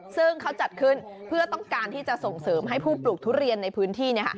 ซึ่งเขาจัดขึ้นเพื่อต้องการที่จะส่งเสริมให้ผู้ปลูกทุเรียนในพื้นที่